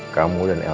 kamu dan elsa